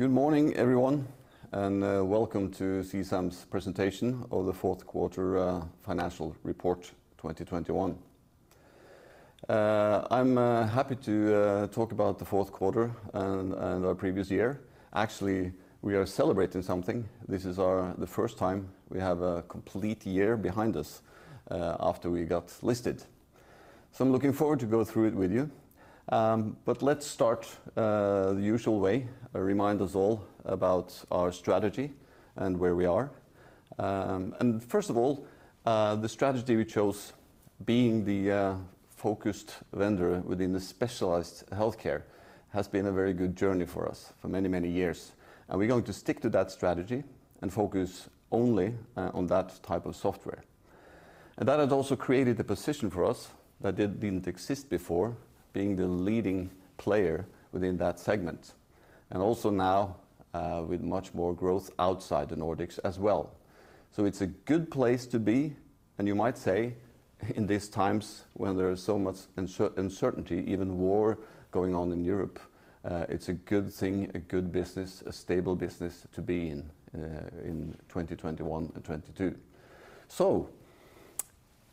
Good morning, everyone, and welcome to CSAM's presentation of the Q4 financial report 2021. I'm happy to talk about the Q4 and our previous year. Actually, we are celebrating something. This is the first time we have a complete year behind us after we got listed. So I'm looking forward to go through it with you. But let's start the usual way, remind us all about our strategy and where we are. First of all, the strategy we chose, being the focused vendor within the specialized healthcare has been a very good journey for us for many, many years. We're going to stick to that strategy and focus only on that type of software. That has also created a position for us that didn't exist before, being the leading player within that segment, and also now, with much more growth outside the Nordics as well. It's a good place to be, and you might say in these times when there is so much uncertainty, even war going on in Europe, it's a good thing, a good business, a stable business to be in 2021 and 2022.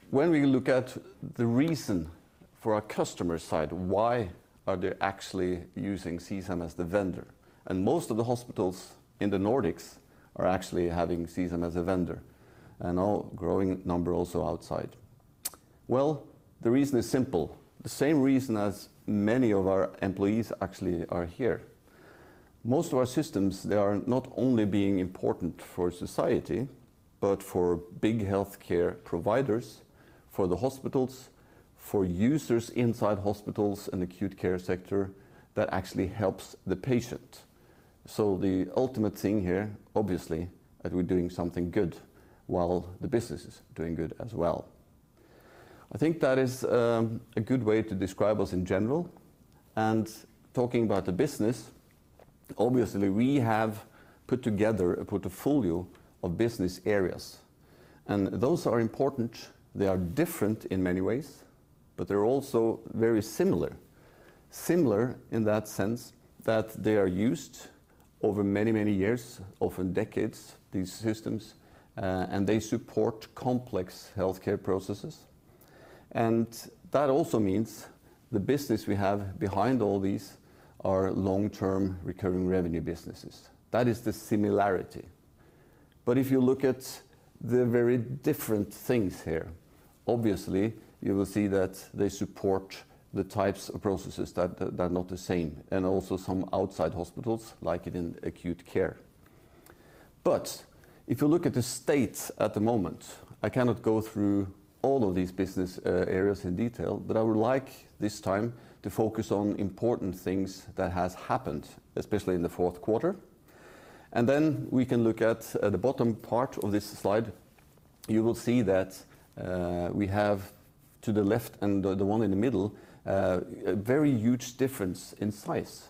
When we look at the reason for our customer side, why are they actually using CSAM as the vendor? Most of the hospitals in the Nordics are actually having CSAM as a vendor, and a growing number also outside. Well, the reason is simple. The same reason as many of our employees actually are here. Most of our systems, they are not only being important for society, but for big healthcare providers, for the hospitals, for users inside hospitals and acute care sector that actually helps the patient. The ultimate thing here, obviously, that we're doing something good while the business is doing good as well. I think that is a good way to describe us in general. Talking about the business, obviously we have put together a portfolio of business areas, and those are important. They are different in many ways, but they're also very similar. Similar in that sense that they are used over many, many years, often decades, these systems, and they support complex healthcare processes. That also means the business we have behind all these are long-term recurring revenue businesses. That is the similarity. If you look at the very different things here, obviously you will see that they support the types of processes that are not the same, and also some outside hospitals like in acute care. If you look at the states at the moment, I cannot go through all of these business areas in detail, but I would like this time to focus on important things that has happened, especially in the Q4. Then we can look at the bottom part of this slide. You will see that we have to the left and the one in the middle a very huge difference in size.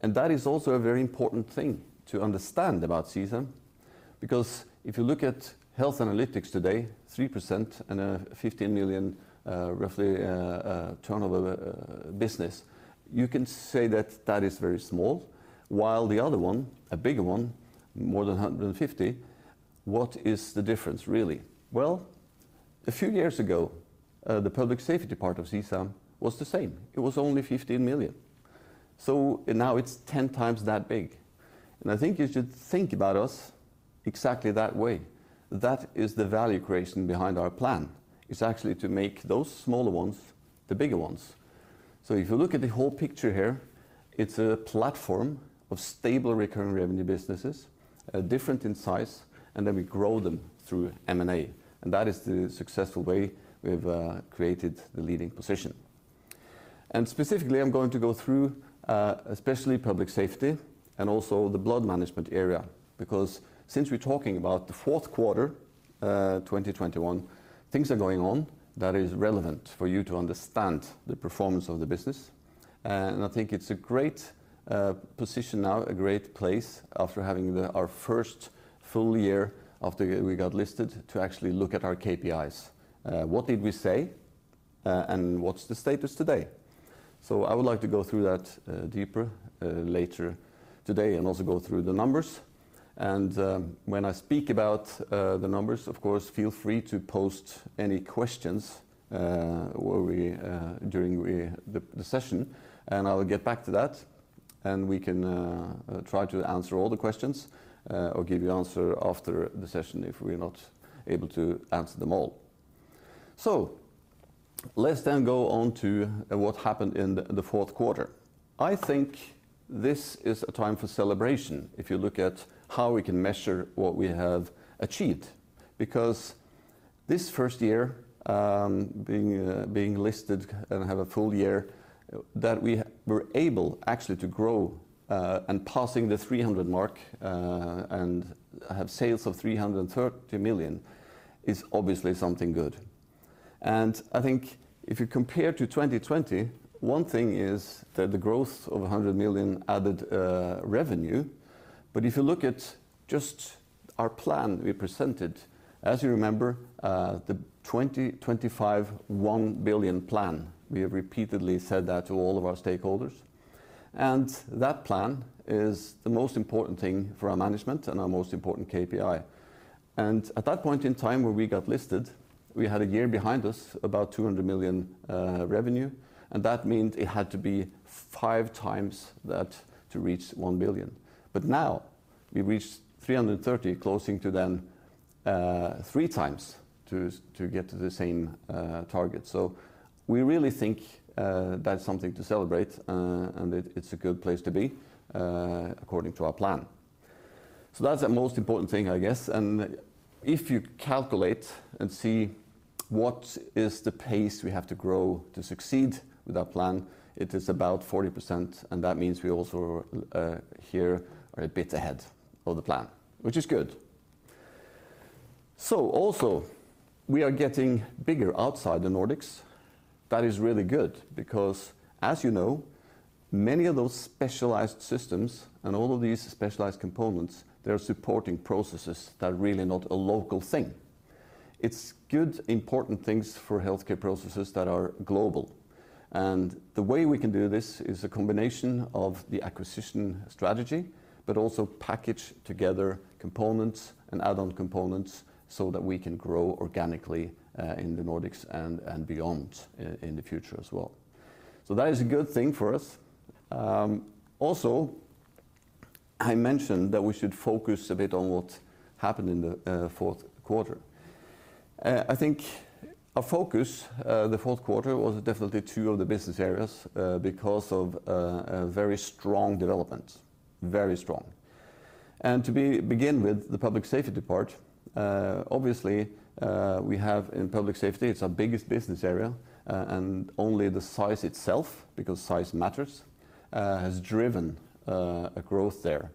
That is also a very important thing to understand about CSAM, because if you look at Health Analytics today, 3% and a 15 million, roughly, turnover business, you can say that that is very small, while the other one, a bigger one, more than 150 million, what is the difference really? Well, a few years ago, the Public Safety part of CSAM was the same. It was only 15 million. Now it's 10 times that big. I think you should think about us exactly that way. That is the value creation behind our plan, is actually to make those smaller ones, the bigger ones. If you look at the whole picture here, it's a platform of stable recurring revenue businesses, different in size, and then we grow them through M&A. That is the successful way we've created the leading position. Specifically, I'm going to go through especially Public Safety and also the blood management area, because since we're talking about the Q4 2021, things are going on that is relevant for you to understand the performance of the business. I think it's a great position now, a great place after our first full year after we got listed to actually look at our KPIs. What did we say and what's the status today? I would like to go through that deeper later today and also go through the numbers. When I speak about the numbers, of course, feel free to pose any questions, whenever during the session, and I'll get back to that, and we can try to answer all the questions, or give you an answer after the session if we're not able to answer them all. Let's then go on to what happened in the Q4. I think this is a time for celebration if you look at how we can measure what we have achieved, because this first year being listed and have a full year, that we were able actually to grow, and passing the 300 mark, and have sales of 330 million is obviously something good. I think if you compare to 2020, one thing is that the growth of 100 million added revenue. If you look at just our plan we presented, as you remember, the 2025 1 billion plan, we have repeatedly said that to all of our stakeholders. That plan is the most important thing for our management and our most important KPI. At that point in time when we got listed, we had a year behind us, about 200 million revenue, and that means it had to be 5 times that to reach 1 billion. Now we reached 330 million closing to three times to get to the same target. We really think that's something to celebrate, and it's a good place to be according to our plan. That's the most important thing, I guess. If you calculate and see what is the pace we have to grow to succeed with our plan, it is about 40%, and that means we also here are a bit ahead of the plan, which is good. Also we are getting bigger outside the Nordics. That is really good because as many of those specialized systems and all of these specialized components, they are supporting processes that are really not a local thing. It's good, important things for healthcare processes that are global. The way we can do this is a combination of the acquisition strategy, but also package together components and add-on components so that we can grow organically in the Nordics and beyond in the future as well. That is a good thing for us. Also I mentioned that we should focus a bit on what happened in the Q4. I think our focus in the Q4 was definitely two of the business areas because of a very strong development. To begin with the Public Safety part, obviously we have in Public Safety, it's our biggest business area and not only the size itself, because size matters, has driven a growth there.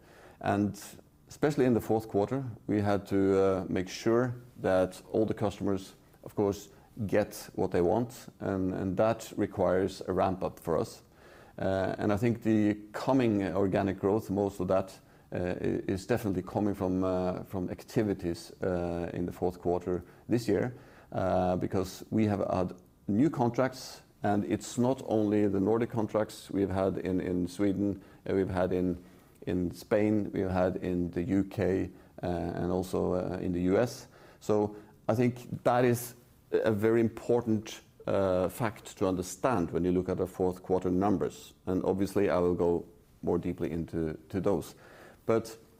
Especially in the Q4, we had to make sure that all the customers, of course, get what they want, and that requires a ramp-up for us. I think the coming organic growth, most of that, is definitely coming from activities in the Q4 this year, because we have added new contracts, and it's not only the Nordic contracts we've had in Sweden, we've had in Spain, we've had in the U.K., and also in the U.S. I think that is a very important fact to understand when you look at the Q4 numbers, and obviously I will go more deeply into those.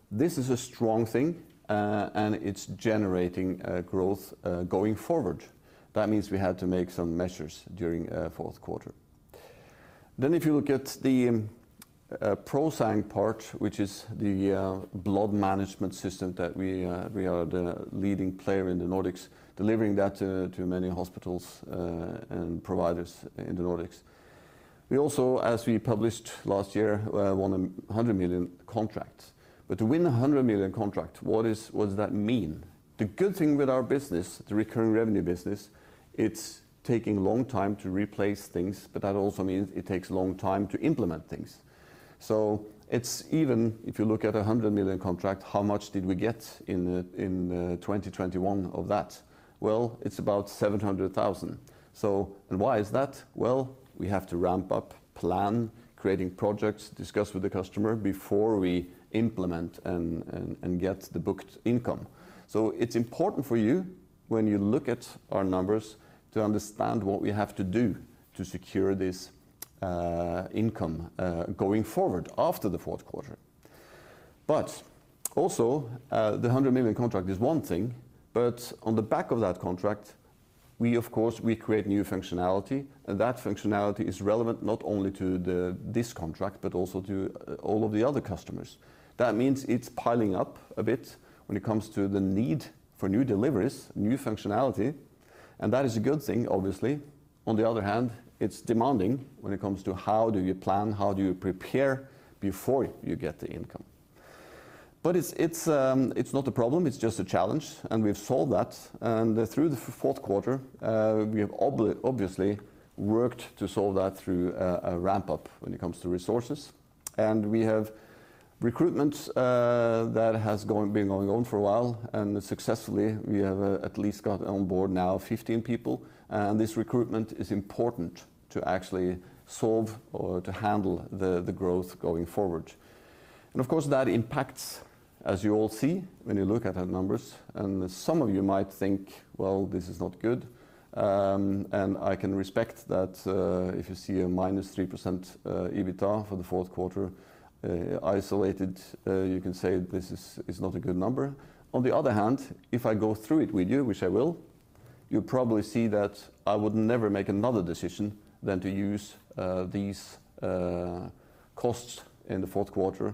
This is a strong thing, and it's generating growth going forward. That means we had to make some measures during Q4. If you look at the ProSang part, which is the blood management system that we are the leading player in the Nordics, delivering that to many hospitals and providers in the Nordics. We also, as we published last year, won a 100 million contract. To win a 100 million contract, what does that mean? The good thing with our business, the recurring revenue business, it's taking a long time to replace things, but that also means it takes a long time to implement things. It's even if you look at a 100 million contract, how much did we get in 2021 of that? Well, it's about 700,000. And why is that? Well, we have to ramp up plan, creating projects, discuss with the customer before we implement and get the booked income. It's important for you when you look at our numbers to understand what we have to do to secure this income going forward after the Q4. Also, the 100 million contract is one thing, but on the back of that contract, we of course create new functionality, and that functionality is relevant not only to this contract, but also to all of the other customers. That means it's piling up a bit when it comes to the need for new deliveries, new functionality, and that is a good thing, obviously. On the other hand, it's demanding when it comes to how do you plan, how do you prepare before you get the income. It's not a problem, it's just a challenge, and we've solved that. Through the Q4, we have obviously worked to solve that through a ramp-up when it comes to resources. We have recruitment that has been going on for a while, and successfully we have at least got on board now 15 people. This recruitment is important to actually solve or to handle the growth going forward. Of course, that impacts, as you all see when you look at our numbers, and some of you might think, "Well, this is not good." I can respect that, if you see a minus 3% EBITDA for the Q4, isolated, you can say this is not a good number. On the other hand, if I go through it with you, which I will, you probably see that I would never make another decision than to use these costs in the Q4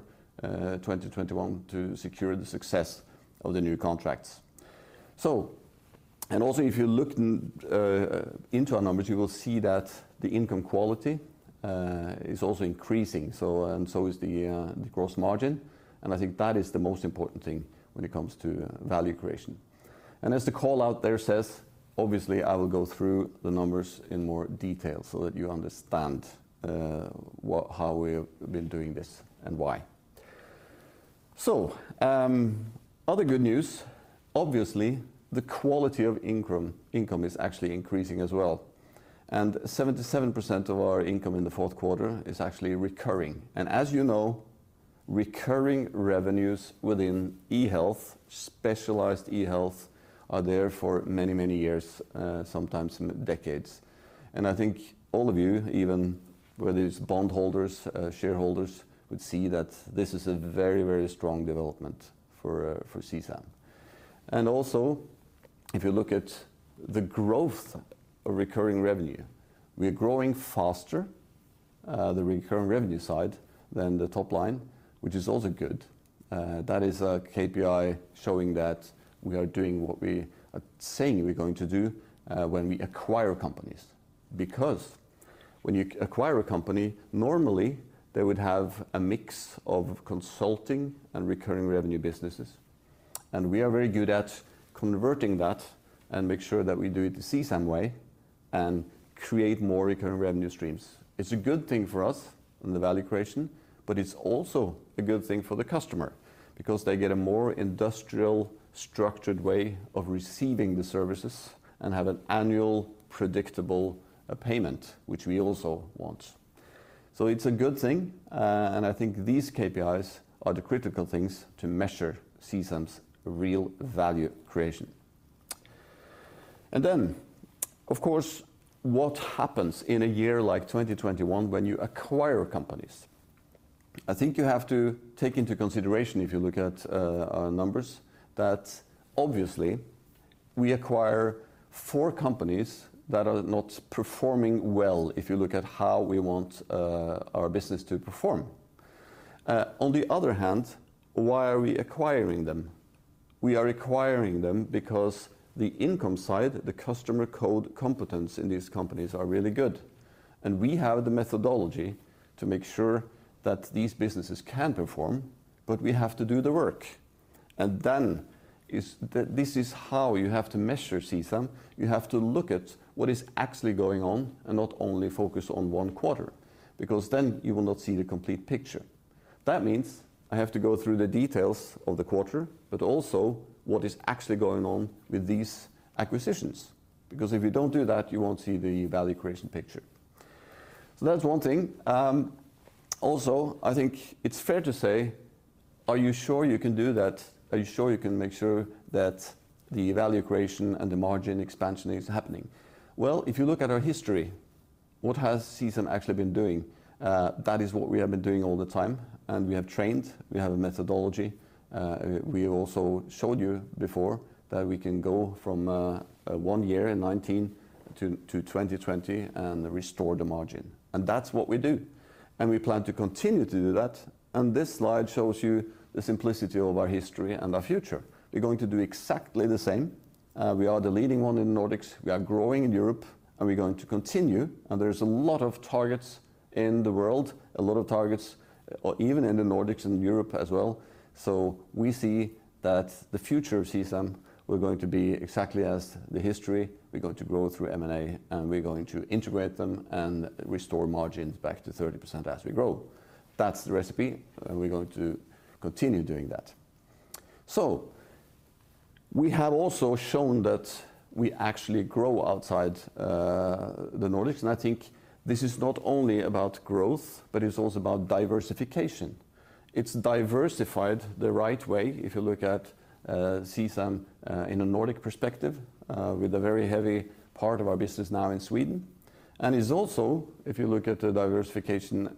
2021 to secure the success of the new contracts. Also if you look into our numbers, you will see that the income quality is also increasing, and so is the gross margin. I think that is the most important thing when it comes to value creation. As the call out there says. Obviously, I will go through the numbers in more detail so that you understand how we have been doing this and why. Other good news, obviously the quality of income is actually increasing as well. 77% of our income in the Q4 is actually recurring. As recurring revenues within eHealth, specialized eHealth, are there for many, many years, sometimes decades. I think all of you, even whether it's bondholders, shareholders, would see that this is a very, very strong development for CSAM. If you look at the growth of recurring revenue, we are growing faster, the recurring revenue side than the top line, which is also good. That is a KPI showing that we are doing what we are saying we're going to do, when we acquire companies. Because when you acquire a company, normally they would have a mix of consulting and recurring revenue businesses. We are very good at converting that and make sure that we do it the CSAM way and create more recurring revenue streams. It's a good thing for us in the value creation, but it's also a good thing for the customer because they get a more industrial, structured way of receiving the services and have an annual predictable payment, which we also want. It's a good thing, and I think these KPIs are the critical things to measure CSAM's real value creation. Then, of course, what happens in a year like 2021 when you acquire companies? I think you have to take into consideration if you look at our numbers that obviously we acquire four companies that are not performing well, if you look at how we want our business to perform. On the other hand, why are we acquiring them? We are acquiring them because the income side, the customer core competence in these companies are really good. We have the methodology to make sure that these businesses can perform, but we have to do the work. This is how you have to measure CSAM. You have to look at what is actually going on and not only focus on one quarter, because then you will not see the complete picture. That means I have to go through the details of the quarter, but also what is actually going on with these acquisitions. Because if you don't do that, you won't see the value creation picture. That's one thing. Also, I think it's fair to say, are you sure you can do that? Are you sure you can make sure that the value creation and the margin expansion is happening? Well, if you look at our history, what has CSAM actually been doing? That is what we have been doing all the time, and we have trained, we have a methodology. We also showed you before that we can go from one year in 2019 to 2020 and restore the margin. That's what we do. We plan to continue to do that. This slide shows you the simplicity of our history and our future. We're going to do exactly the same. We are the leading one in Nordics, we are growing in Europe, and we're going to continue. There's a lot of targets in the world, or even in the Nordics and Europe as well. We see that the future of CSAM, we're going to be exactly as the history. We're going to grow through M&A, and we're going to integrate them and restore margins back to 30% as we grow. That's the recipe, and we're going to continue doing that. We have also shown that we actually grow outside the Nordics. I think this is not only about growth, but it's also about diversification. It's diversified the right way if you look at CSAM in a Nordic perspective with a very heavy part of our business now in Sweden. It's also, if you look at the diversification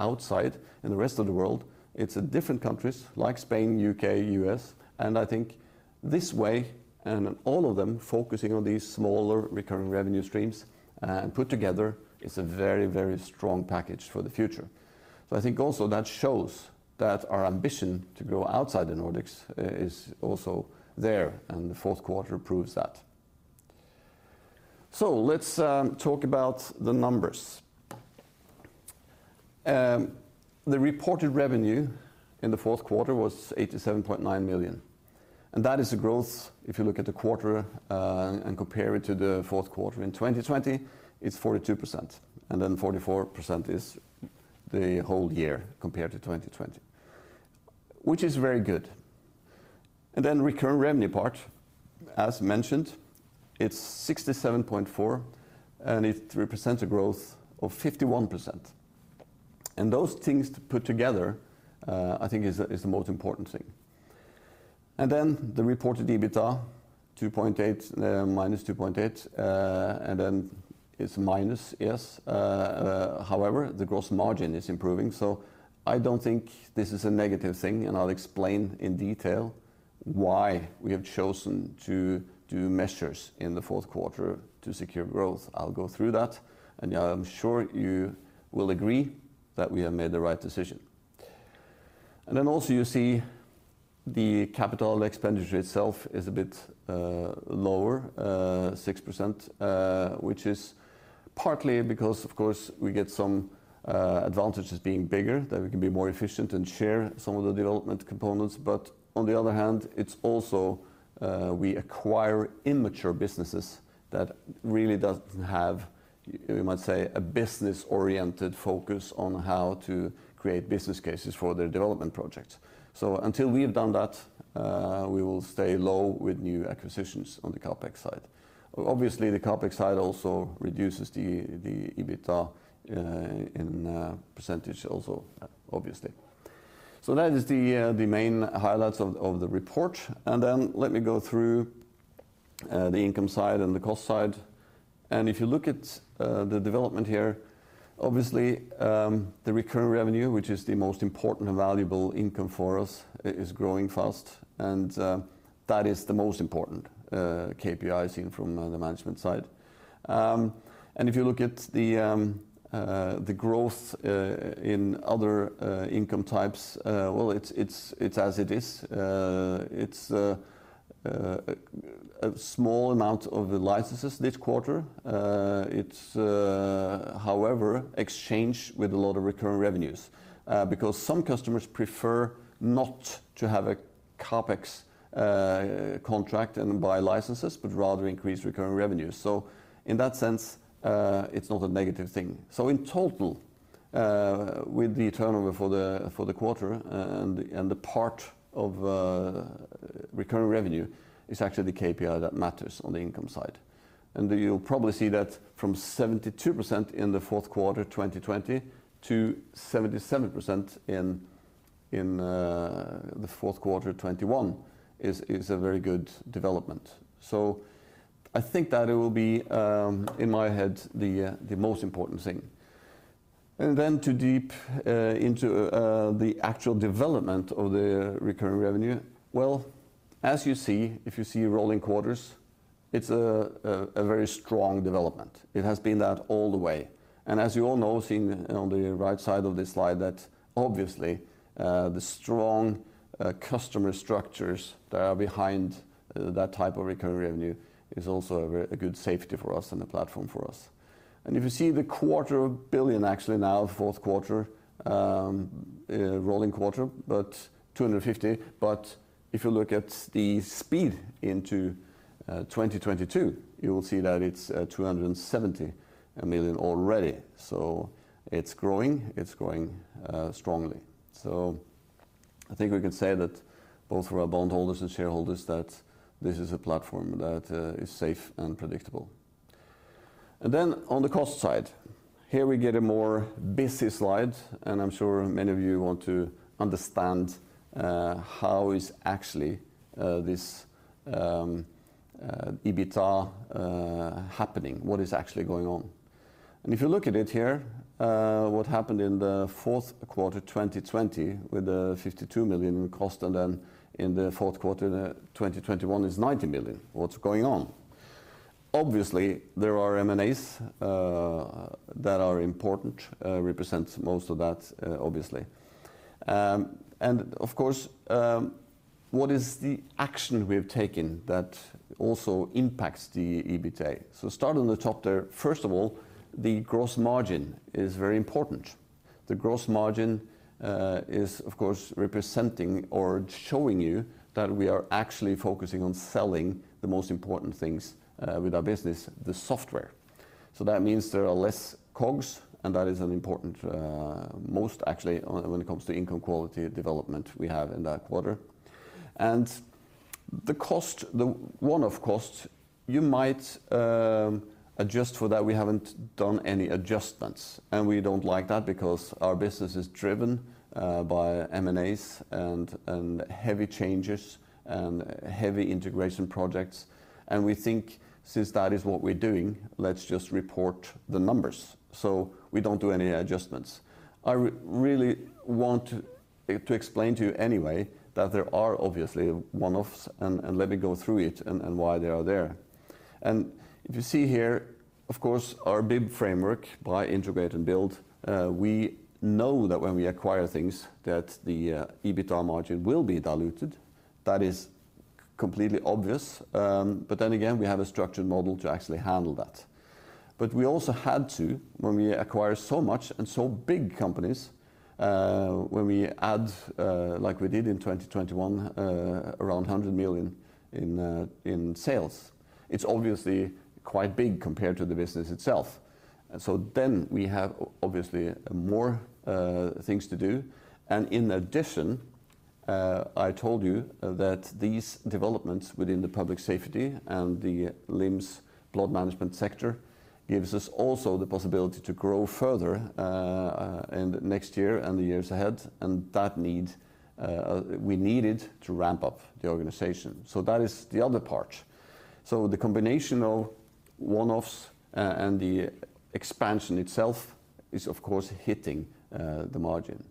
outside in the rest of the world, it's different countries like Spain, U.K., U.S. I think this way, and all of them focusing on these smaller recurring revenue streams and put together, it's a very, very strong package for the future. I think also that shows that our ambition to grow outside the Nordics is also there, and the Q4 proves that. Let's talk about the numbers. The reported revenue in the Q4 was 87.9 million. That is a growth, if you look at the quarter, and compare it to the Q4 in 2020, it's 42%. Then 44% is the whole year compared to 2020, which is very good. Then recurring revenue part, as mentioned, it's 67.4 million, and it represents a growth of 51%. Those things put together, I think is the most important thing. The reported EBITDA is -2.8. However, the gross margin is improving. I don't think this is a negative thing, and I'll explain in detail why we have chosen to do measures in the Q4 to secure growth. I'll go through that, and I'm sure you will agree that we have made the right decision. You see the capital expenditure itself is a bit lower, 6%, which is partly because, of course, we get some advantages being bigger, that we can be more efficient and share some of the development components. But on the other hand, it's also we acquire immature businesses that really doesn't have, you might say, a business-oriented focus on how to create business cases for their development projects. Until we have done that, we will stay low with new acquisitions on the CapEx side. Obviously, the CapEx side also reduces the EBITDA in percentage also, obviously. That is the main highlights of the report. Then let me go through the income side and the cost side. If you look at the development here, obviously, the recurring revenue, which is the most important and valuable income for us, is growing fast. That is the most important KPI seen from the management side. If you look at the growth in other income types, well, it's as it is. It's a small amount of the licenses this quarter. It's however a change with a lot of recurring revenues because some customers prefer not to have a CapEx contract and buy licenses, but rather increase recurring revenues. In that sense, it's not a negative thing. In total, with the turnover for the quarter and the part of recurring revenue is actually the KPI that matters on the income side. You'll probably see that from 72% in the Q4, 2020 to 77% in the Q4, 2021 is a very good development. I think that it will be in my head the most important thing. Then to dive into the actual development of the recurring revenue. Well, as you see, if you see rolling quarters, it's a very strong development. It has been that all the way. As you all know, seeing on the right side of this slide, that obviously the strong customer structures that are behind that type of recurring revenue is also a very good safety for us and a platform for us. If you see the quarter billion actually now, Q4, rolling quarter, but 250 million. If you look at the speed into 2022, you will see that it's two hundred and seventy million already. It's growing strongly. I think we can say that both for our bondholders and shareholders, that this is a platform that is safe and predictable. On the cost side, here we get a more busy slide, and I'm sure many of you want to understand how is actually this EBITDA happening, what is actually going on. If you look at it here, what happened in the Q4 2020 with the 52 million cost, and then in the Q4 2021 is 90 million. What's going on? Obviously, there are M&As that are important represents most of that, obviously. Of course, what is the action we have taken that also impacts the EBITDA? Start on the top there. First of all, the gross margin is very important. The gross margin is of course representing or showing you that we are actually focusing on selling the most important things with our business, the software. That means there are less COGS, and that is an important, most actually when it comes to income quality development we have in that quarter. The cost, the one-off cost, you might adjust for that. We haven't done any adjustments, and we don't like that because our business is driven by M&As and heavy changes and heavy integration projects. We think since that is what we're doing, let's just report the numbers. We don't do any adjustments. I really want to explain to you anyway that there are obviously one-offs and let me go through it and why they are there. If you see here, of course, our BIB framework, buy, integrate, and build. We know that when we acquire things that the EBITDA margin will be diluted. That is completely obvious. Then again, we have a structured model to actually handle that. We also had to, when we acquire so much and so big companies, when we add, like we did in 2021, around 100 million in sales, it's obviously quite big compared to the business itself. We have obviously more things to do. In addition, I told you that these developments within the Public Safety and the LIMS blood management sector gives us also the possibility to grow further, in next year and the years ahead, and that need, we needed to ramp up the organization. That is the other part. The combination of one-offs and the expansion itself is of course hitting the margin.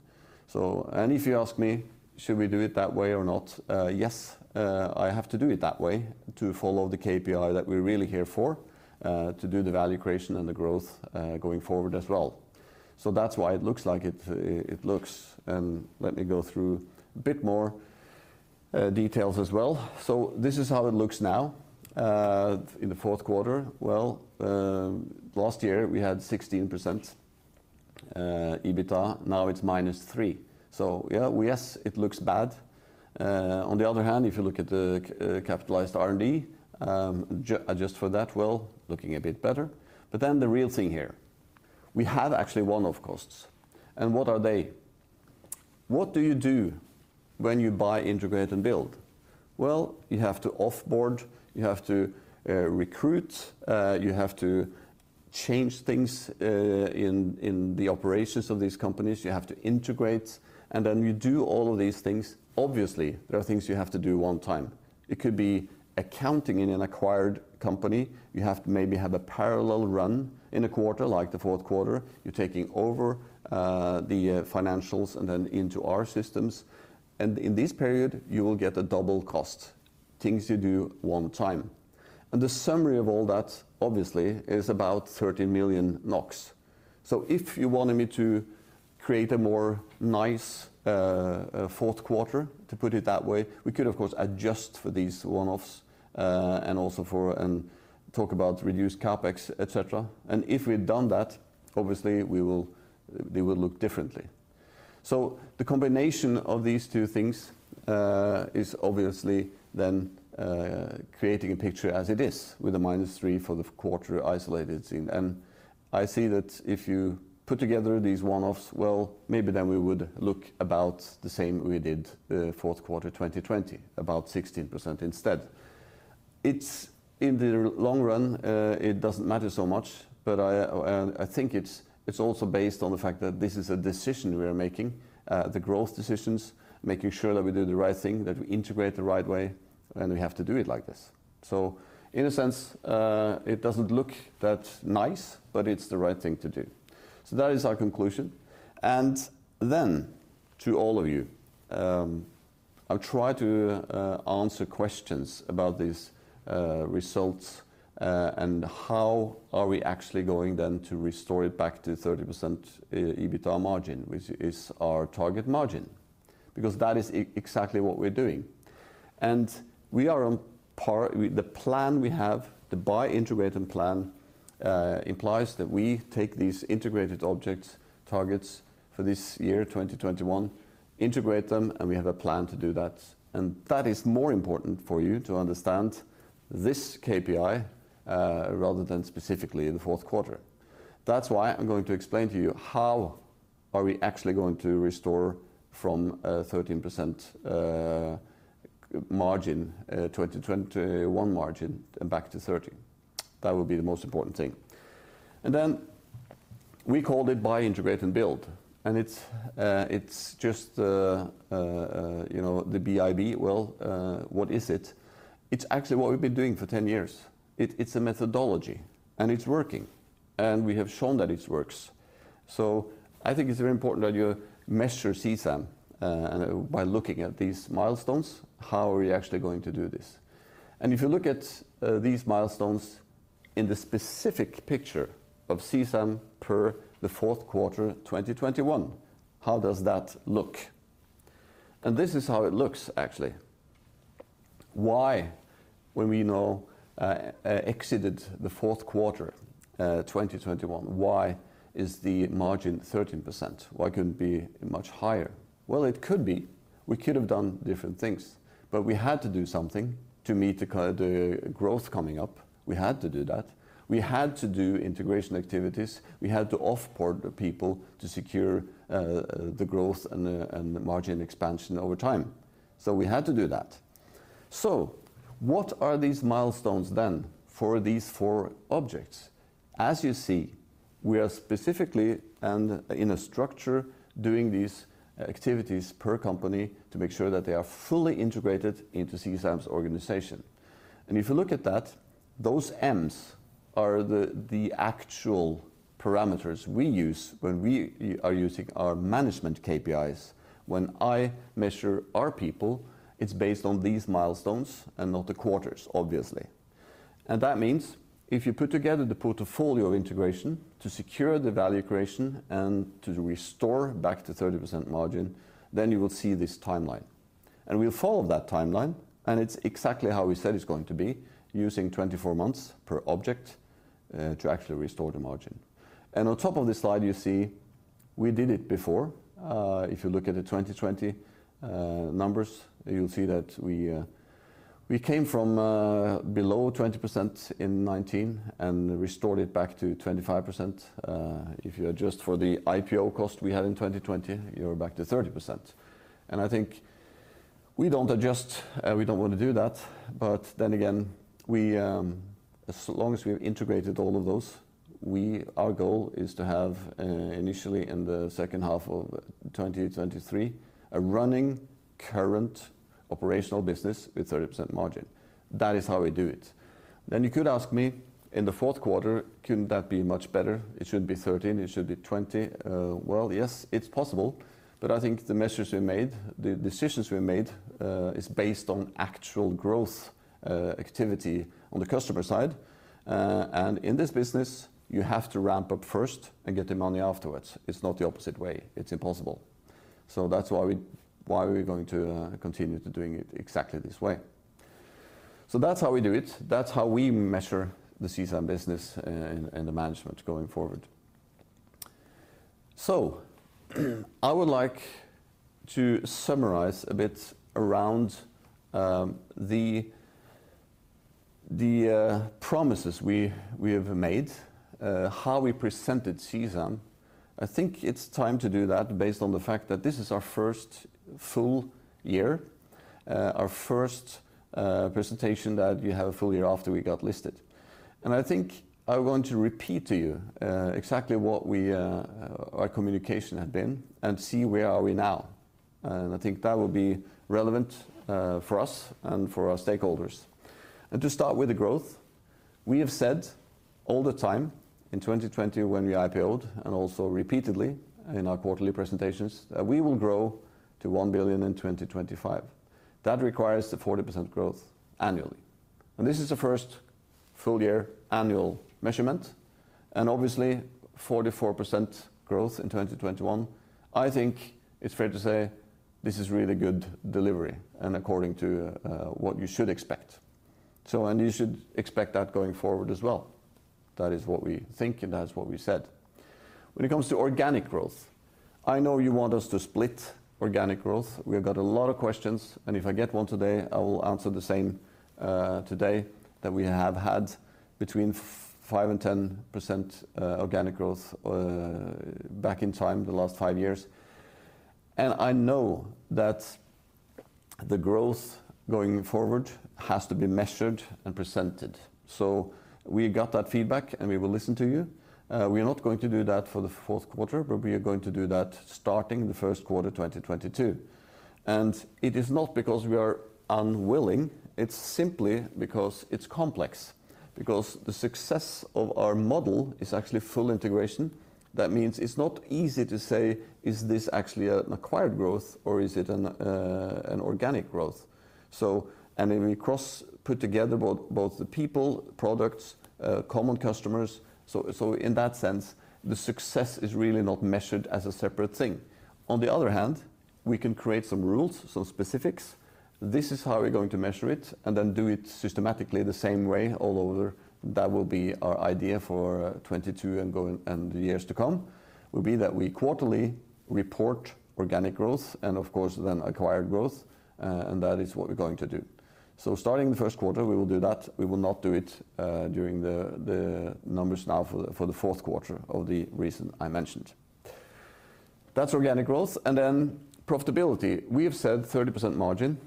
If you ask me, should we do it that way or not? Yes, I have to do it that way to follow the KPI that we're really here for, to do the value creation and the growth, going forward as well. That's why it looks like it. Let me go through a bit more details as well. This is how it looks now, in the Q4. Well, last year we had 16% EBITDA. Now it's -3%. Yes, it looks bad. On the other hand, if you look at the capitalized R&D, adjust for that, well, looking a bit better. The real thing here, we have actually one-off costs and what are they? What do you do when you buy, integrate and build? Well, you have to off-board, you have to recruit, you have to change things in the operations of these companies. You have to integrate and then you do all of these things. Obviously, there are things you have to do one time. It could be accounting in an acquired company, you have to maybe have a parallel run in a quarter like the Q4. You're taking over the financials and then into our systems. In this period, you will get a double cost, things you do one time. The summary of all that obviously is about 13 million NOK. If you wanted me to create a more nice Q4, to put it that way, we could of course adjust for these one-offs, and also and talk about reduced CapEx, et cetera. If we'd done that, obviously they will look differently. The combination of these two things is obviously then creating a picture as it is with a -3% for the quarter, isolated, seen. I see that if you put together these one-offs, well, maybe then we would look about the same we did Q4 2020, about 16% instead. It's, in the long run, it doesn't matter so much, but I think it's also based on the fact that this is a decision we are making, the growth decisions, making sure that we do the right thing, that we integrate the right way, and we have to do it like this. In a sense, it doesn't look that nice, but it's the right thing to do. That is our conclusion. To all of you, I'll try to answer questions about these results, and how are we actually going then to restore it back to 30% EBITDA margin, which is our target margin, because that is exactly what we're doing. We are on par. The plan we have, the buy, integrate, and build plan, implies that we take these integrated acquisition targets for this year, 2021, integrate them, and we have a plan to do that. That is more important for you to understand this KPI, rather than specifically in the Q4. That's why I'm going to explain to you how are we actually going to restore from a 13% margin, 2021 margin back to 30%. That would be the most important thing. We called it buy, integrate and build. It's just the BIB. Well, what is it? It's actually what we've been doing for 10 years. It's a methodology and it's working, and we have shown that it works. I think it's very important that you measure CSAM, and by looking at these milestones, how are we actually going to do this? If you look at these milestones in the specific picture of CSAM per the Q4 2021, how does that look? This is how it looks actually. Why, when we now exited the Q4 2021, why is the margin 13%? Why can't it be much higher? Well, it could be. We could have done different things, but we had to do something to meet the growth coming up. We had to do that. We had to do integration activities. We had to off-board the people to secure the growth and the margin expansion over time. We had to do that. What are these milestones then for these four objects? As you see, we are specifically and in a structure doing these activities per company to make sure that they are fully integrated into CSAM's organization. If you look at that, those M's are the actual parameters we use when we are using our management KPIs. When I measure our people, it's based on these milestones and not the quarters, obviously. That means if you put together the portfolio integration to secure the value creation and to restore back to 30% margin, then you will see this timeline. We'll follow that timeline, and it's exactly how we said it's going to be, using 24 months per object, to actually restore the margin. On top of this slide, you see we did it before. If you look at the 2020 numbers, you'll see that we came from below 20% in 2019 and restored it back to 25%. If you adjust for the IPO cost we had in 2020, you're back to 30%. I think we don't adjust, we don't want to do that. As long as we've integrated all of those, our goal is to have, initially in the H2 of 2023, a running current operational business with 30% margin. That is how we do it. You could ask me, in the Q4, couldn't that be much better? It should be 13, it should be 20. Well, yes, it's possible, but I think the measures we made, the decisions we made, is based on actual growth, activity on the customer side. In this business, you have to ramp up first and get the money afterwards. It's not the opposite way. It's impossible. That's why we, why we're going to continue to doing it exactly this way. That's how we do it. That's how we measure the CSAM business and the management going forward. I would like to summarize a bit around the promises we have made, how we presented CSAM. I think it's time to do that based on the fact that this is our first full year, our first presentation that you have a full year after we got listed. I think I want to repeat to you exactly what our communication had been and see where are we now. I think that will be relevant for us and for our stakeholders. To start with the growth, we have said all the time in 2020 when we IPO'd and also repeatedly in our quarterly presentations, that we will grow to 1 billion in 2025. That requires the 40% growth annually. This is the first full year annual measurement and obviously 44% growth in 2021. I think it's fair to say this is really good delivery and according to what you should expect. You should expect that going forward as well. That is what we think, and that's what we said. When it comes to organic growth, I know you want us to split organic growth. We've got a lot of questions, and if I get one today, I will answer the same today that we have had between 5%-10% organic growth back in time, the last five years. I know that the growth going forward has to be measured and presented. We got that feedback, and we will listen to you. We are not going to do that for the Q4, but we are going to do that starting the Q1, 2022. It is not because we are unwilling. It's simply because it's complex. The success of our model is actually full integration. That means it's not easy to say, is this actually an acquired growth or is it an organic growth? When we cross-pollinate both the people, products, common customers, so in that sense, the success is really not measured as a separate thing. On the other hand, we can create some rules, some specifics. This is how we're going to measure it and then do it systematically the same way all over. That will be our idea for 2022 and the years to come. We will quarterly report organic growth and of course then acquired growth, and that is what we're going to do. Starting the Q1, we will do that. We will not do it during the numbers now for the Q4, for the reason I mentioned. That's organic growth. Profitability. We have said 30% margin,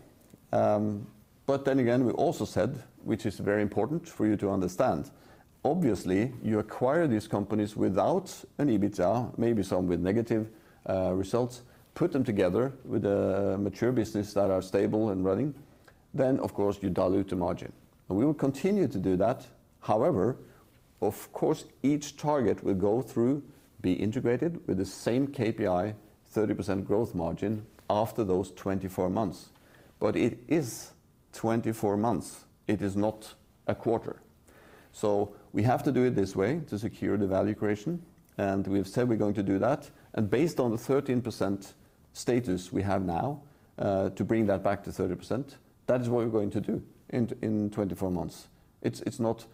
but then again, we also said, which is very important for you to understand, obviously, you acquire these companies without an EBITDA, maybe some with negative results, put them together with a mature business that are stable and running, then of course, you dilute the margin. We will continue to do that. However, of course, each target will go through, be integrated with the same KPI, 30% growth margin after those 24 months. It is 24 months. It is not a quarter. We have to do it this way to secure the value creation, and we've said we're going to do that. Based on the 13% status we have now, to bring that back to 30%, that is what we're going to do in 24 months. It's not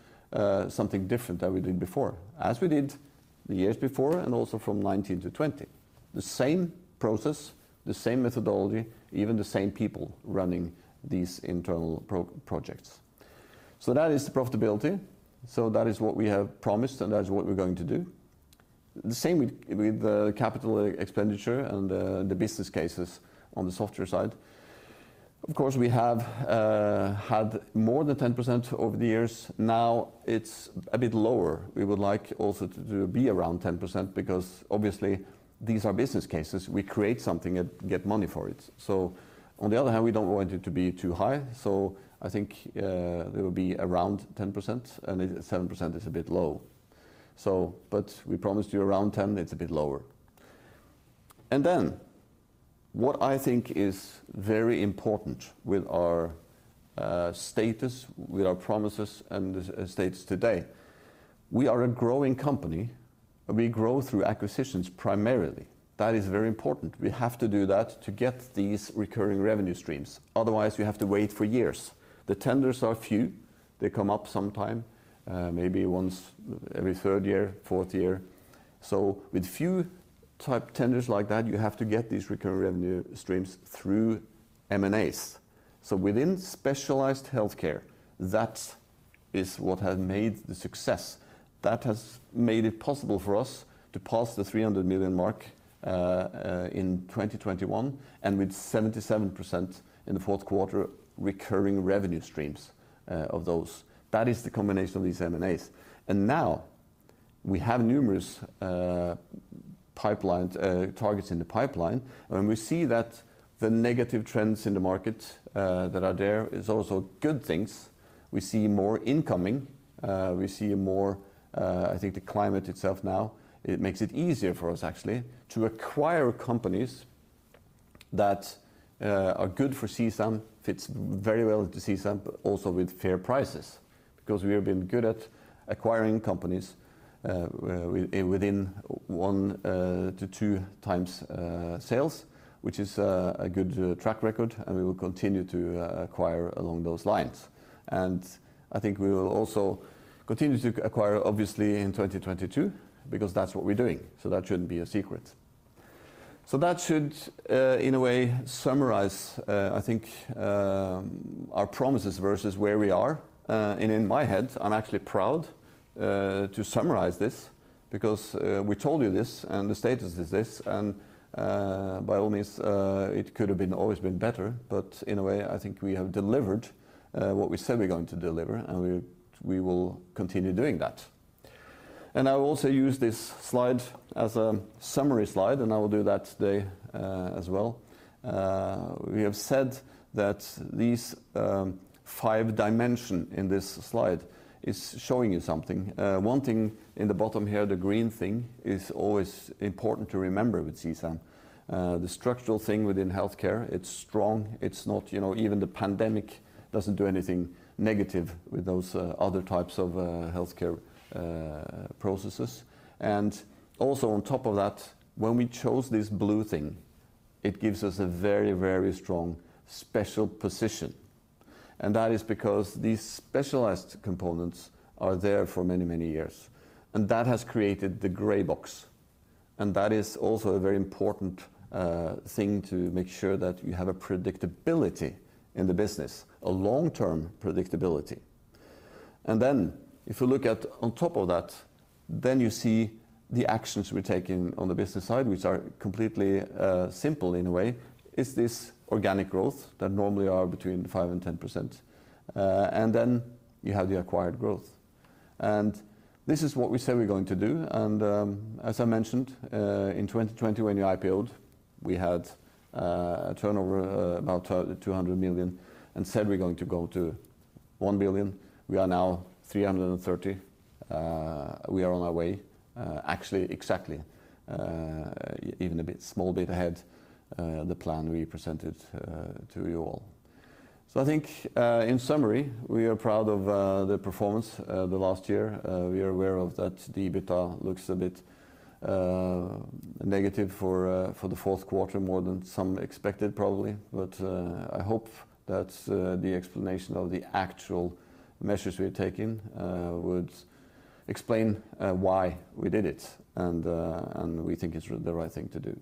something different than we did before, as we did the years before and also from 2019 to 2020. The same process, the same methodology, even the same people running these internal projects. That is the profitability. That is what we have promised, and that is what we're going to do. The same with the capital expenditure and the business cases on the software side. Of course, we have had more than 10% over the years. Now it's a bit lower. We would like also to be around 10% because obviously these are business cases. We create something and get money for it. On the other hand, we don't want it to be too high. I think it will be around 10% and 7% is a bit low. We promised you around 10, it's a bit lower. What I think is very important with our status, with our promises and status today, we are a growing company, and we grow through acquisitions primarily. That is very important. We have to do that to get these recurring revenue streams. Otherwise, we have to wait for years. The tenders are few. They come up sometime, maybe once every third year, fourth year. With few type tenders like that, you have to get these recurring revenue streams through M&As. Within specialized healthcare, that is what has made the success. That has made it possible for us to pass the 300 million mark in 2021 and with 77% in the Q4 recurring revenue streams of those. That is the combination of these M&As. Now we have numerous pipelines targets in the pipeline, and we see that the negative trends in the market that are there is also good things. We see more incoming. I think the climate itself now makes it easier for us actually to acquire companies that are good for CSAM, fits very well into CSAM, but also with fair prices. Because we have been good at acquiring companies within one to two times sales, which is a good track record, and we will continue to acquire along those lines. I think we will also continue to acquire obviously in 2022 because that's what we're doing. That shouldn't be a secret. That should in a way summarize I think our promises versus where we are. In my head, I'm actually proud to summarize this because we told you this and the status is this and, by all means, it could have always been better. But in a way, I think we have delivered what we said we're going to deliver, and we will continue doing that. I will also use this slide as a summary slide, and I will do that today as well. We have said that these five dimension in this slide is showing you something. One thing in the bottom here, the green thing is always important to remember with CSAM. The structural thing within healthcare, it's strong. It's not even the pandemic doesn't do anything negative with those other types of healthcare processes. Also on top of that, when we chose this blue thing, it gives us a very, very strong special position. That is because these specialized components are there for many, many years. That has created the gray box. That is also a very important thing to make sure that you have a predictability in the business, a long-term predictability. Then if you look at on top of that, then you see the actions we're taking on the business side, which are completely simple in a way, is this organic growth that normally are between 5%-10%. Then you have the acquired growth. This is what we said we're going to do. As I mentioned, in 2020 when we IPO'd, we had a turnover about 200 million and said we're going to go to 1 billion. We are now 330 million. We are on our way, actually exactly, even a bit small bit ahead, the plan we presented to you all. I think, in summary, we are proud of the performance the last year. We are aware of that the EBITDA looks a bit negative for the Q4, more than some expected probably. I hope that the explanation of the actual measures we're taking would explain why we did it. And we think it's the right thing to do.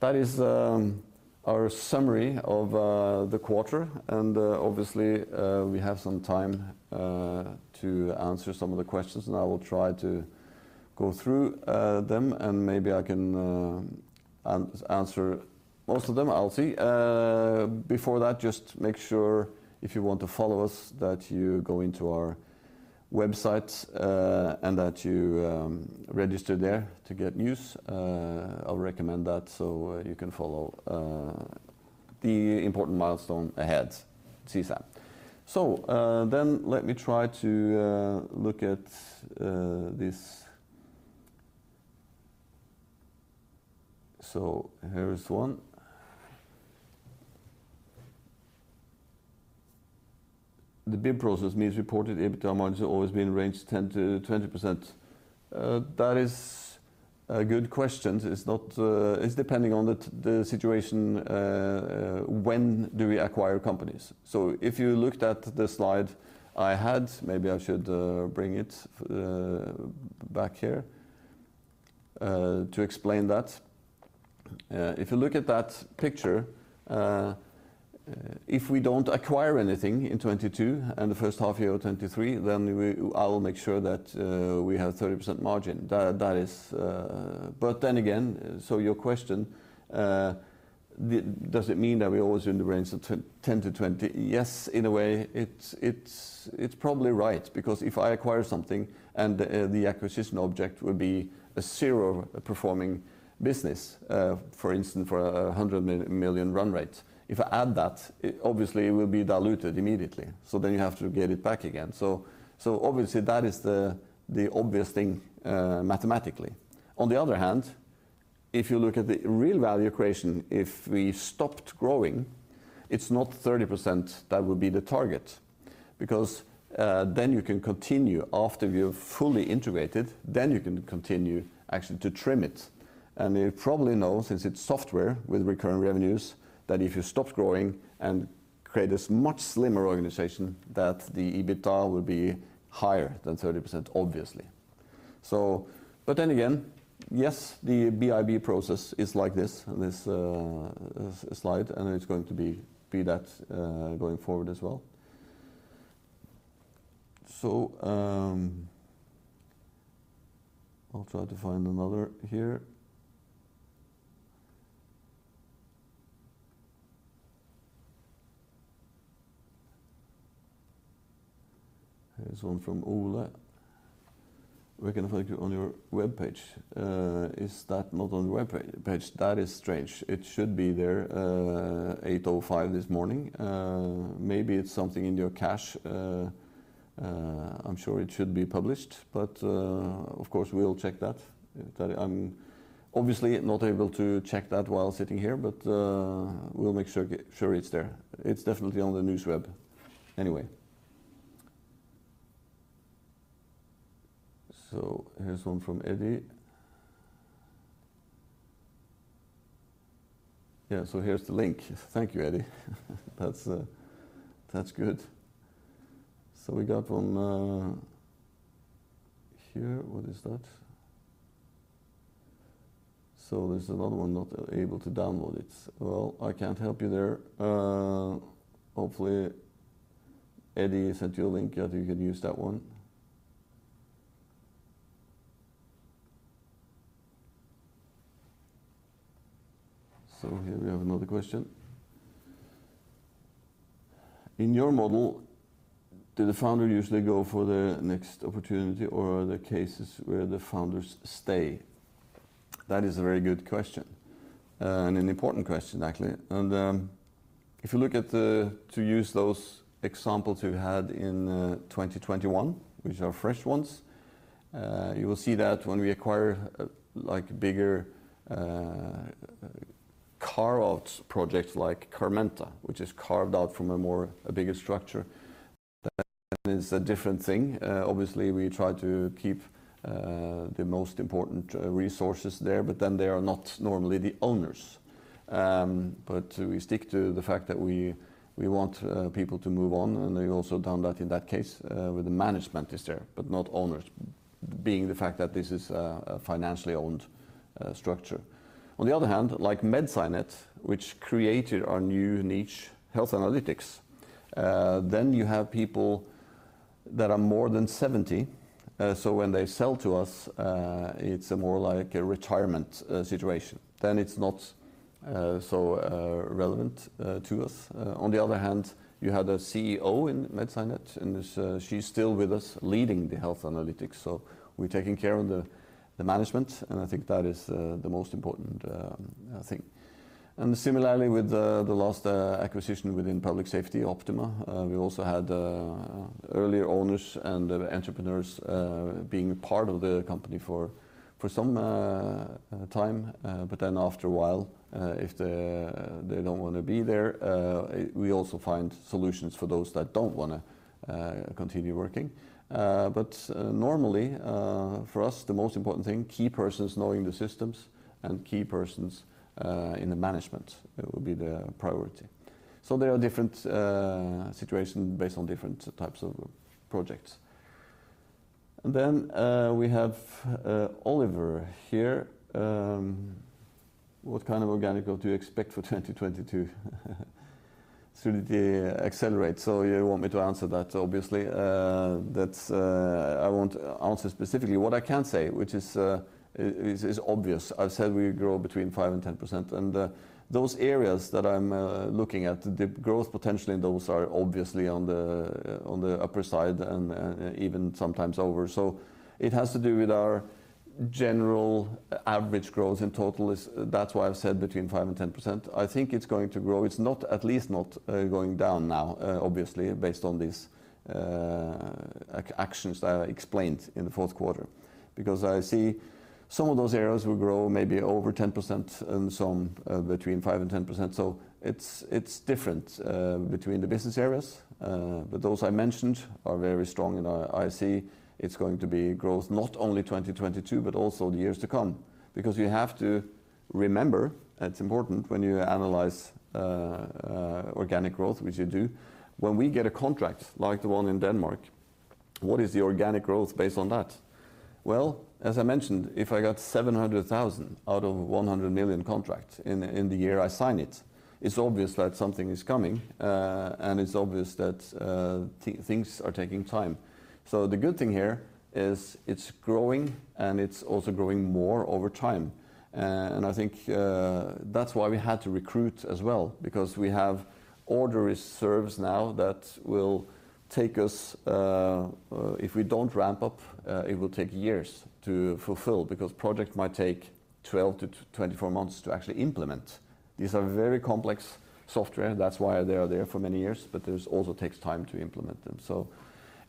That is our summary of the quarter. Obviously, we have some time to answer some of the questions, and I will try to go through them and maybe I can answer most of them. I'll see. Before that, just make sure if you want to follow us that you go into our website and that you register there to get news. I'll recommend that so you can follow the important milestone ahead, CSAM. Then let me try to look at this. Here is one. The BIB process means reported EBITDA margin always been ranged 10%-20%. That is a good question. It's not. It's depending on the situation when we acquire companies. If you looked at the slide I had, maybe I should bring it back here to explain that. If you look at that picture, if we don't acquire anything in 2022 and the H1 year of 2023, then I will make sure that we have 30% margin. That is. Your question, does it mean that we're always in the range of 10%-20%? Yes, in a way, it's probably right because if I acquire something and the acquisition object would be a zero-performing business, for instance, for a 100 million run rate. If I add that, obviously it will be diluted immediately. You have to get it back again. Obviously that is the obvious thing, mathematically. On the other hand, if you look at the real value creation, if we stopped growing, it's not 30% that will be the target because then you can continue after you're fully integrated, then you can continue actually to trim it. You probably know since it's software with recurring revenues, that if you stop growing and create this much slimmer organization, that the EBITDA will be higher than 30%, obviously. But then again, yes, the BIB process is like this slide, and it's going to be that going forward as well. I'll try to find another here. Here's one from Ola. We can find you on your webpage. Is that not on the webpage? That is strange. It should be there, 8:05 A.M. Maybe it's something in your cache. I'm sure it should be published, but, of course, we'll check that. That I'm obviously not able to check that while sitting here, but, we'll make sure it's there. It's definitely on the news web anyway. Here's one from Eddie. Yeah. Here's the link. Thank you, Eddie. That's good. We got one here. What is that? There's another one not able to download it. Well, I can't help you there. Hopefully, Eddie sent you a link. Yeah, you can use that one. Here we have another question. In your model, do the founder usually go for the next opportunity or are there cases where the founders stay? That is a very good question, and an important question actually. If you look to use those examples we had in 2021, which are fresh ones, you will see that when we acquire like bigger carve-out projects like Carmenta, which is carved out from a much bigger structure, then it's a different thing. Obviously we try to keep the most important resources there, but then they are not normally the owners. We stick to the fact that we want people to move on, and they also done that in that case, where the management is there, but not owners being the fact that this is a financially owned structure. On the other hand, like MedSciNet, which created our new niche Health Analytics, then you have people that are more than 70, so when they sell to us, it's more like a retirement situation than it's not so relevant to us. On the other hand, you had a CEO in MedSciNet and she's still with us leading the Health Analytics. We're taking care of the management and I think that is the most important, I think. Similarly with the last acquisition within Public Safety, Optima, we also had earlier owners and entrepreneurs being part of the company for some time. After a while, if they don't wanna be there, we also find solutions for those that don't wanna continue working. Normally, for us the most important thing, key persons knowing the systems and key persons in the management will be the priority. There are different situation based on different types of projects. We have Oliver here. What kind of organic growth do you expect for 2022? Should it accelerate? You want me to answer that obviously. That's, I won't answer specifically. What I can say which is obvious. I've said we grow between five and 10% and those areas that I'm looking at the growth potential in those are obviously on the upper side and even sometimes over. It has to do with our general average growth in total. That's why I've said between five and 10%. I think it's going to grow. It's not at least not going down now, obviously based on these actions that I explained in the Q4 because I see some of those areas will grow maybe over 10% and some between 5%-10%. It's different between the business areas, but those I mentioned are very strong and I see it's going to be growth not only 2022 but also the years to come because you have to remember it's important when you analyze organic growth which you do. When we get a contract like the one in Denmark, what is the organic growth based on that? Well, as I mentioned, if I got 700,000 out of 100 million contract in the year I sign it's obvious that something is coming, and it's obvious that things are taking time. The good thing here is it's growing and it's also growing more over time. I think that's why we had to recruit as well because we have order reserves now that will take us, if we don't ramp up, it will take years to fulfill because project might take 12-24 months to actually implement. These are very complex software. That's why they are there for many years but this also takes time to implement them.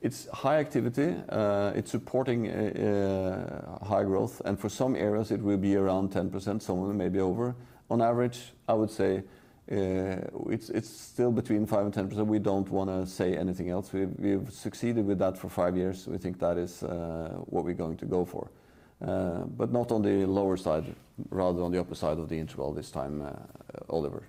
It's high activity, it's supporting high growth and for some areas it will be around 10%, some of them may be over. On average, I would say, it's still between 5%-10%. We don't wanna say anything else. We've succeeded with that for five years. We think that is what we're going to go for, but not on the lower side rather on the upper side of the interval this time, Oliver.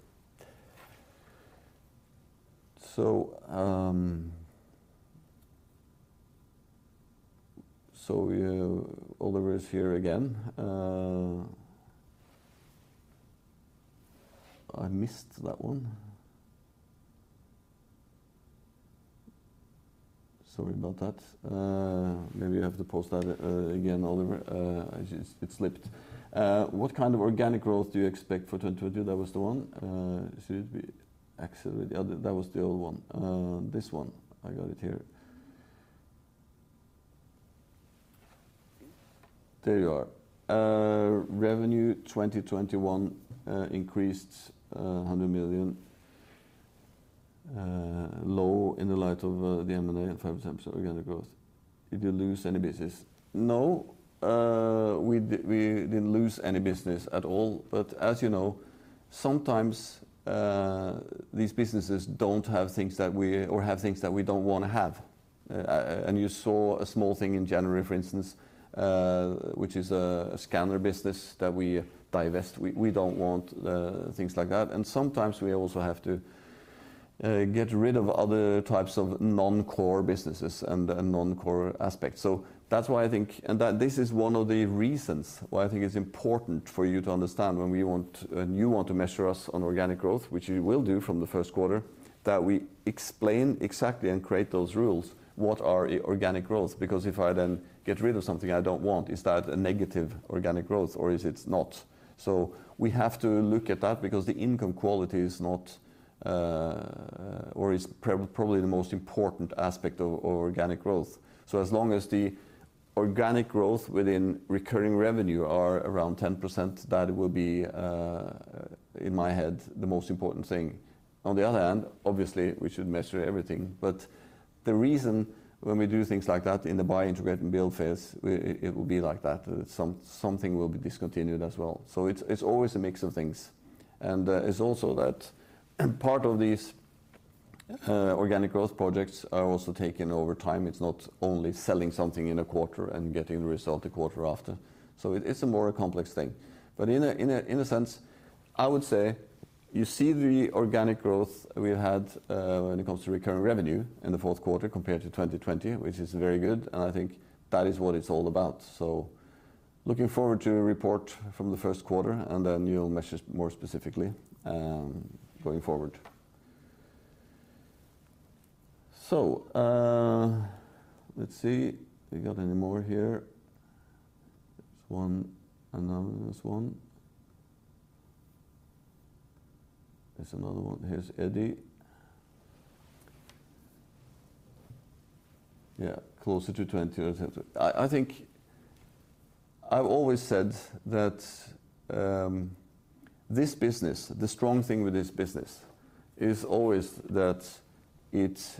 Oliver is here again. I missed that one. Sorry about that. Maybe you have to post that again, Oliver. It slipped. What kind of organic growth do you expect for 2022? That was the one. Should it be accelerate? The other. That was the old one. This one I got it here. There you are. Revenue 2021 increased 100 million, low, in light of the M&A and 5% organic growth. Did you lose any business? No, we didn't lose any business at all. But as sometimes these businesses don't have things that we or have things that we don't wanna have. You saw a small thing in January, for instance, which is a scanner business that we divested. We don't want things like that. Sometimes we also have to get rid of other types of non-core businesses and non-core aspects. That's why I think that this is one of the reasons why I think it's important for you to understand when we want and you want to measure us on organic growth, which you will do from the Q1, that we explain exactly and create those rules, what are organic growth. Because if I then get rid of something I don't want, is that a negative organic growth or is it not? We have to look at that because the income quality is not, or is probably the most important aspect of organic growth. As long as the organic growth within recurring revenue are around 10%, that will be, in my head, the most important thing. On the other hand, obviously, we should measure everything, but the reason when we do things like that in the buy, integrate, and build phase, it will be like that, something will be discontinued as well. It's always a mix of things. It's also that part of these organic growth projects are also taken over time. It's not only selling something in a quarter and getting the result a quarter after. It is a more complex thing. In a sense, I would say you see the organic growth we had when it comes to recurring revenue in the Q4 compared to 2020, which is very good, and I think that is what it's all about. Looking forward to report from the Q1, and then you'll measure more specifically, going forward. Let's see. We got any more here? There's one anonymous one. There's another one. Here's Eddie. Yeah, closer to 20 or 30. I think I've always said that this business, the strong thing with this business is always that it,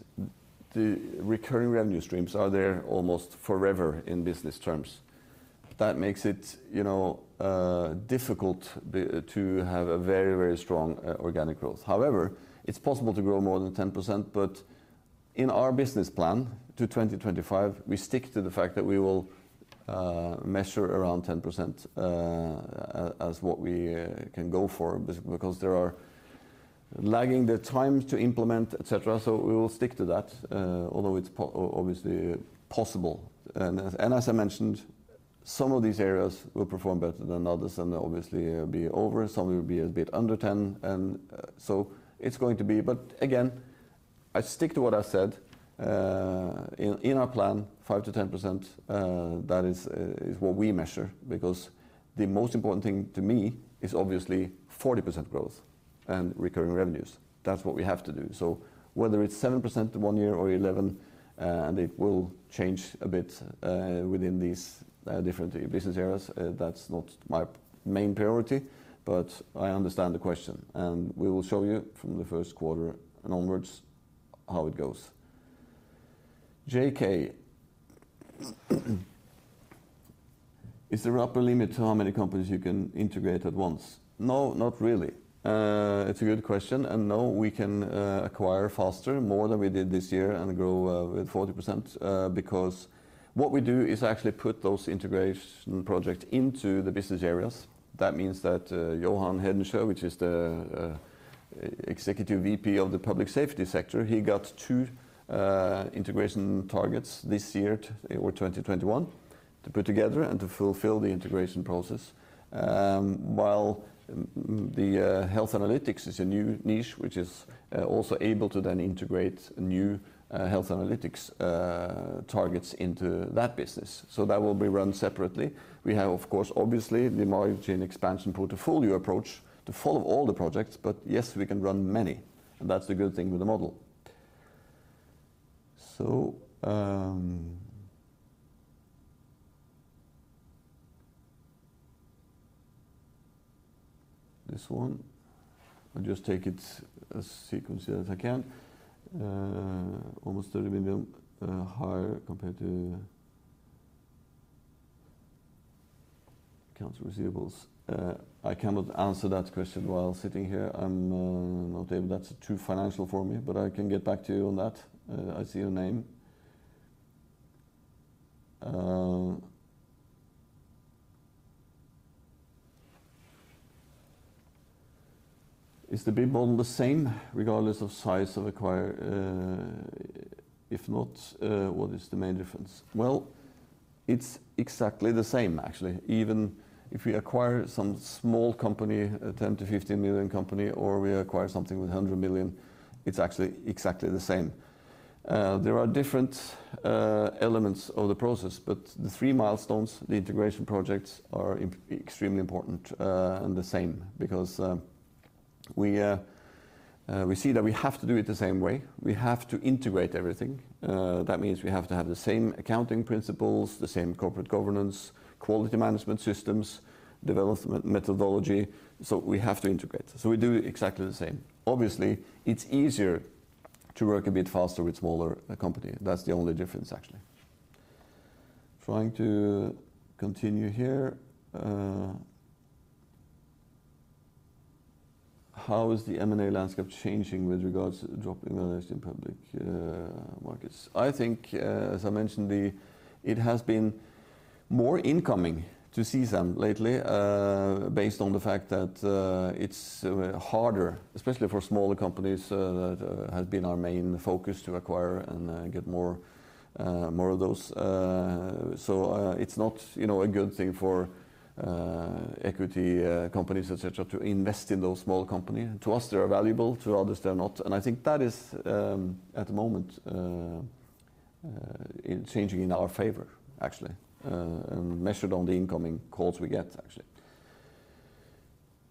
the recurring revenue streams are there almost forever in business terms. That makes it difficult to have a very, very strong organic growth. However, it's possible to grow more than 10%, but in our business plan to 2025, we stick to the fact that we will measure around 10% as what we can go for because there are lags in the time to implement, etc. We will stick to that although it's obviously possible. As I mentioned, some of these areas will perform better than others and obviously be over, some will be a bit under 10. It's going to be. Again, I stick to what I said in our plan, 5%-10%, that is what we measure because the most important thing to me is obviously 40% growth and recurring revenues. That's what we have to do. Whether it's 7% one year or 11, and it will change a bit within these different business areas, that's not my main priority, but I understand the question, and we will show you from the Q1 and onwards how it goes. JK, is there upper limit to how many companies you can integrate at once? No, not really. It's a good question. No, we can acquire faster, more than we did this year and grow with 40%. Because what we do is actually put those integration projects into the business areas. That means that, Johan Hedensiö, which is the Executive VP of the Public Safety sector, he got two integration targets this year or 2021 to put together and to fulfill the integration process. While the Health Analytics is a new niche, which is also able to then integrate new Health Analytics targets into that business. That will be run separately. We have, of course, obviously the margin expansion portfolio approach to follow all the projects. Yes, we can run many, and that's the good thing with the model. This one, I'll just take it as sequenced as I can. Almost 30 million higher compared to accounts receivables. I cannot answer that question while sitting here. I'm not able. That's too financial for me, but I can get back to you on that. I see your name. Is the BIB model the same regardless of size of acquire? If not, what is the main difference? Well, it's exactly the same actually. Even if we acquire some small company, a 10 million-15 million company, or we acquire something with a 100 million, it's actually exactly the same. There are different elements of the process, but the three milestones, the integration projects are extremely important, and the same because we see that we have to do it the same way. We have to integrate everything. That means we have to have the same accounting principles, the same corporate governance, quality management systems, development methodology. We have to integrate. We do exactly the same. Obviously, it's easier to work a bit faster with smaller company. That's the only difference actually. Trying to continue here. How is the M&A landscape changing with regards to drop in listed public markets? I think, as I mentioned, it has been more incoming to see some lately, based on the fact that it's harder, especially for smaller companies that have been our main focus to acquire and get more of those. It's not a good thing for equity companies, et cetera, to invest in those small companies. To us, they are valuable, to others, they're not. I think that is at the moment changing in our favor, actually, measured on the incoming calls we get, actually.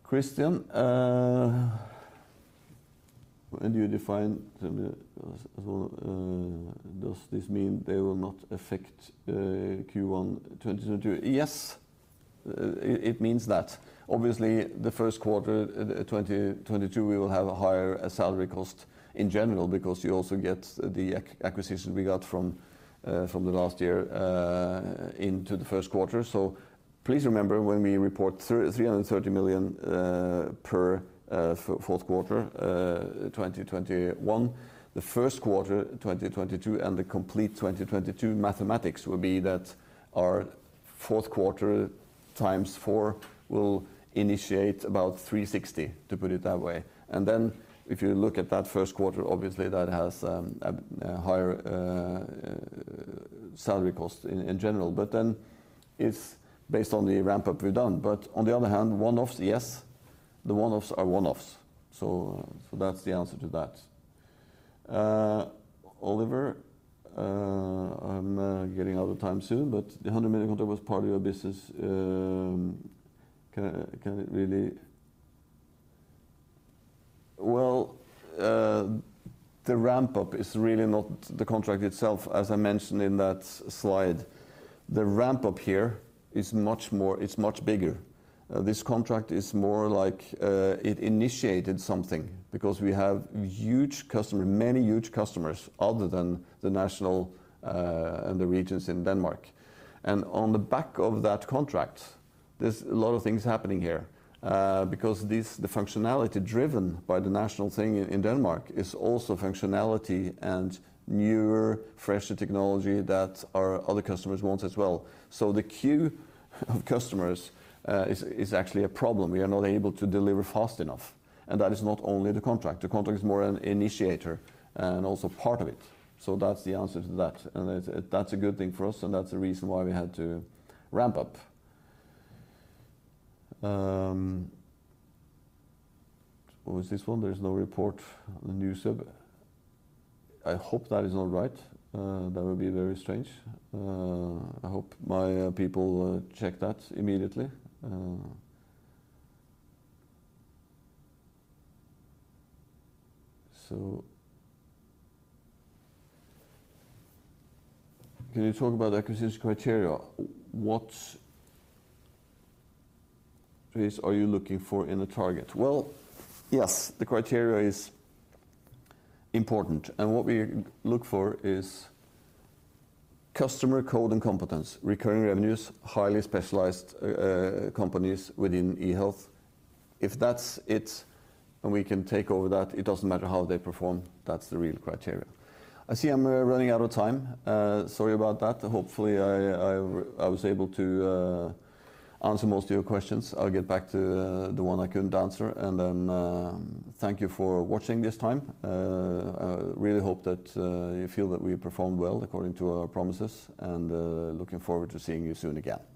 Christian, when do you define the... Does this mean they will not affect Q1 2022? Yes. It means that. Obviously, the Q1 2022, we will have a higher salary cost in general because you also get the acquisitions we got from the last year into the Q1. Please remember when we report 330 million for the Q4 2021, the Q1 2022, and the complete 2022 mathematics will be that our Q4 times four will equate to about 360 million, to put it that way. Then if you look at that Q1, obviously, that has a higher salary cost in general. It's based on the ramp up we've done. On the other hand, one-offs, yes. The one-offs are one-offs. That's the answer to that. Oliver, I'm running out of time soon, but the 100 million contract was part of your business. Well, the ramp up is really not the contract itself, as I mentioned in that slide. The ramp up here is much more, it's much bigger. This contract is more like, it initiated something because we have huge customer, many huge customers other than the national and the regions in Denmark. On the back of that contract, there's a lot of things happening here because the functionality driven by the national thing in Denmark is also functionality and newer, fresher technology that our other customers want as well. The queue of customers is actually a problem. We are not able to deliver fast enough, and that is not only the contract. The contract is more an initiator and also part of it. That's the answer to that. That's a good thing for us, and that's the reason why we had to ramp up. What was this one? There is no report on the news. I hope that is not right. That would be very strange. I hope my people check that immediately. Can you talk about acquisition criteria? What areas are you looking for in a target? Well, yes. The criteria is important, and what we look for is customer base and competence, recurring revenues, highly specialized companies within eHealth. If that's it and we can take over that, it doesn't matter how they perform. That's the real criteria. I see I'm running out of time. Sorry about that. Hopefully, I was able to answer most of your questions. I'll get back to the one I couldn't answer. Thank you for watching this time. I really hope that you feel that we performed well according to our promises and looking forward to seeing you soon again.